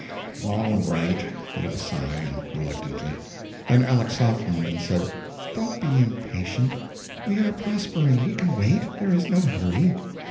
"All right," with a sigh and reluctantly. Then Aleck softened and said: "Don't be impatient. We are prospering; we can wait; there is no hurry.